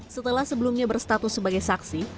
setelah sebelumnya berstatus sebagai saksi